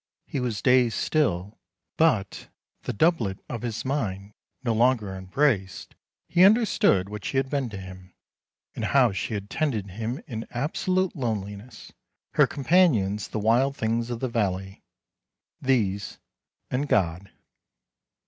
He was dazed still, but, the doublet of his mind no longer unbraced, he understood what she had been to him, and how she had tended him in absolute loneliness, her companions the wild things of the valley — these and God.